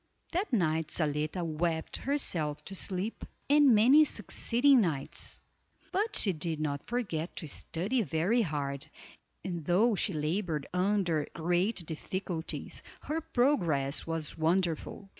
That night Zaletta wept herself to sleep, and many succeeding nights; but she did not forget to study very hard, and though she labored under great difficulties, her progress was wonderful.